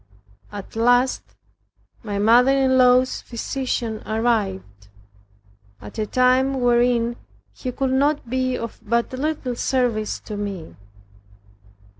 At last my mother in law's physician arrived, at a time wherein he could be of but little service to me.